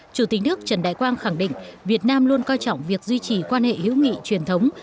chủ tịch nước trần đại quang khẳng định việt nam luôn coi trọng việc duy trì quan hệ hữu nghị truyền thống